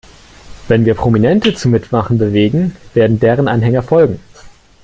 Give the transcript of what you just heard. Wenn wir Prominente zum Mitmachen bewegen, werden deren Anhänger folgen.